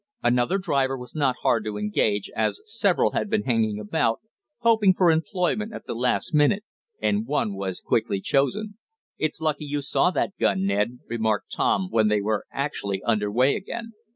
Another driver was not hard to engage, as several had been hanging about, hoping for employment at the last minute, and one was quickly chosen. "It's lucky you saw that gun, Ned," remarked Tom, when they were actually under way again.